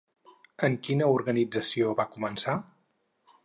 En quina organització va començar?